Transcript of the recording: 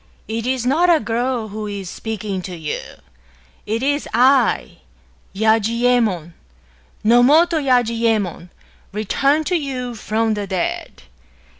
It is not a girl who is speaking to you; it is I, — Yajiyemon, Nomoto Yajiyemon, — returned to you from the dead.